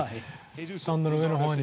スタンドの上のほうに。